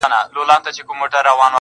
نو زما نصيب دې گراني وخت د ماځيگر ووهي_